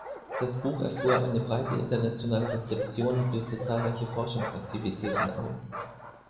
Das Buch erfuhr eine breite internationale Rezeption und löste zahlreiche Forschungsaktivitäten aus.